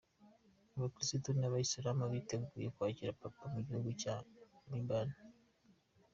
Abakirisitu n’Abayisilamu biteguye kwakira Papa Mugihugu Cya Ribani